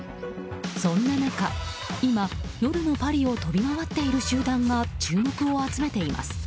そんな中、今、夜のパリを跳び回っている集団が注目を集めています。